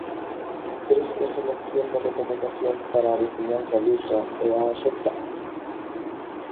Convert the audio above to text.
Crees que a selección de recomendacións para a veciñanza lusa é a axeitada?